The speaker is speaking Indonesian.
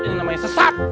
ini namanya sesat